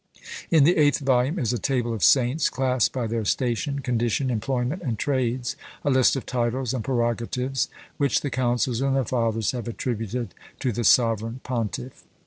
In the eighth volume is a table of saints, classed by their station, condition, employment, and trades: a list of titles and prerogatives, which the councils and the fathers have attributed to the sovereign pontiff.